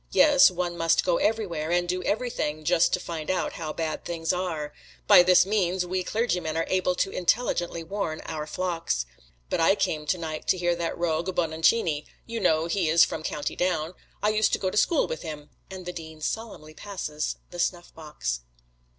"Yes, one must go everywhere, and do everything, just to find out how bad things are. By this means we clergymen are able to intelligently warn our flocks. But I came tonight to hear that rogue Bononcini you know he is from County Down I used to go to school with him," and the Dean solemnly passes the snuffbox.